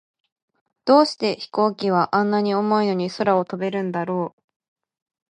どうして飛行機は、あんなに重いのに空を飛べるんだろう。